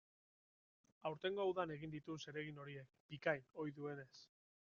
Aurtengo udan egin ditu zeregin horiek, bikain, ohi duenez.